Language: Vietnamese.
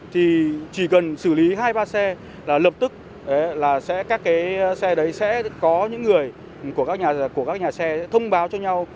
thì chỉ cần xử lý hai ba xe là lập tức các xe đấy sẽ có những người của các nhà xe thông báo cho nhau